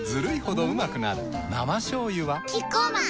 生しょうゆはキッコーマン